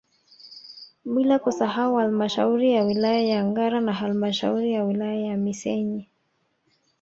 Bila kusahau halmashauri ya wilaya ya Ngara na halmashauri ya wilaya ya Misenyi